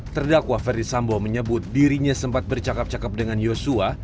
terdakwa ferdisambo menyebut dirinya sempat bercakap cakap dengan yosua